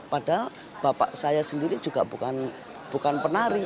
padahal bapak saya sendiri juga bukan penari